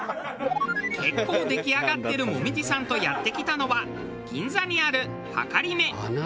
結構出来上がってる紅葉さんとやって来たのは銀座にあるはかりめ。